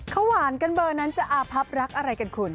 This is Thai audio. เขาหวานกันเบอร์นั้นจะอาพับรักอะไรกันคุณ